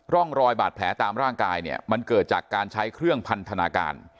ร่องรอยบาดแผลตามร่างกายเนี่ยมันเกิดจากการใช้เครื่องพันธนาการ